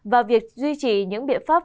và việc duy trì những biện pháp